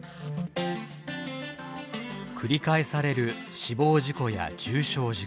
繰り返される死亡事故や重傷事故。